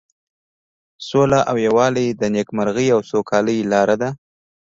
سوله او یووالی د نیکمرغۍ او سوکالۍ لاره ده.